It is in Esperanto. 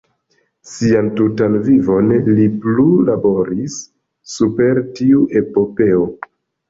Sian tutan vivon li plu laboris super tiu epopeo.